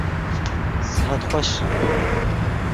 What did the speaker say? Sihet xweş!